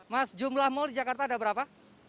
mas jumlah mal di jakarta ada berapa